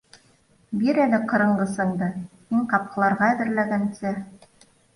Бир әле ҡырынғысыңды, һин ҡапҡыларға әҙерләгәнсе